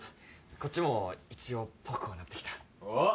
こっちも一応ぽくはなってきたおっ！